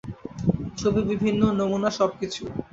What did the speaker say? ছবি, বিভিন্ন নমুনা, সবকিছু।